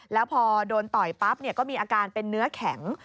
แล้วพอโดนต่อยปั๊บก็มีอาการเป็นเนื้อแข็ง